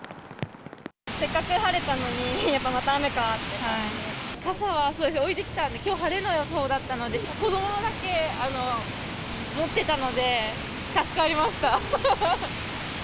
せっかく晴れたのに、傘はそうですね、置いてきた、きょうは晴れの予報だったので、子どものだけ持ってたので、助かりました。